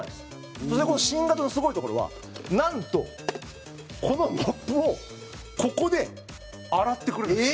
そしてこの新型のすごいところはなんと、このモップをここで洗ってくれるんですよ。